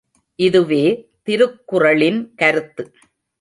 இதுவே திருக்குறளின் கருத்து.